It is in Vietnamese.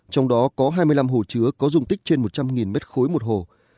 trong đó có hai mươi năm hồ chứa có dung tích trên một trăm linh m ba một hồ